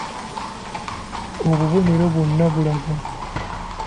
Obubonero bwonna bulaga